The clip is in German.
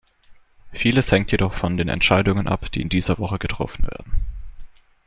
Vieles hängt jedoch von den Entscheidungen ab, die in dieser Woche getroffen werden.